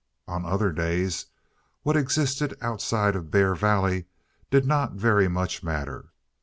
On other days what existed outside of Bear Valley did not very much matter.